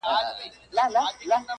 چيري چي ښه هلته ئې شپه.